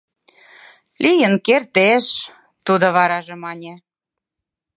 — Лийын кертеш, — тудо варажым мане.